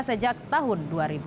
sejak tahun dua ribu dua